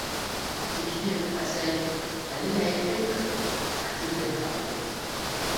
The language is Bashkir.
Тик һин, әсәй, әлегә әйтмәй тор, Октябрина һатты тип...